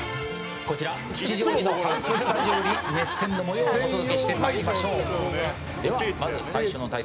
こちら吉祥寺のハウススタジオに熱戦の模様をお届けしてまいりましょう。